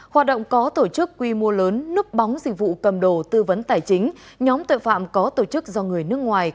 hoạt động có tổ chức quy mô lớn núp bóng dịch vụ cầm đồ tư vấn tài chính nhóm tội phạm có tổ chức do người nước ngoài